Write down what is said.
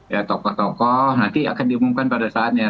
ya tokoh tokoh nanti akan diumumkan pada saatnya